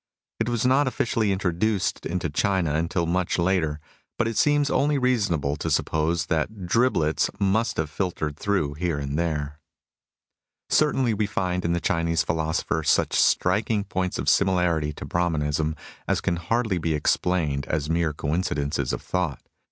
It was not oflSi cially introduced into China until much later, but it seems only reasonable to suppose that driblets must have filtered through here and there. 34 MUSINGS OF A CHINESE MYSTIC Certainly we find in the Chinese philosopher such striking points of similarity to Brahmanism as can hardly be explained as mere coincidences of thought.